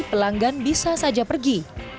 pelanggan bisa saja pergi